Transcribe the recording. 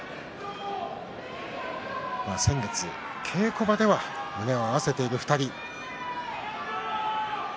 先月、稽古場では胸を合わせている２人。